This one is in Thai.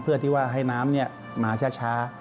เพื่อที่ว่าให้น้ำมาช้า